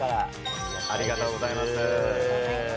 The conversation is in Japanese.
ありがとうございます。